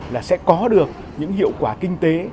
là sẽ có được những hiệu quả kinh tế